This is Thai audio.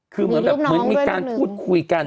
คือเหมือนมีการพูดคุยกัน